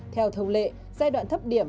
theo thông lệ giai đoạn thấp điểm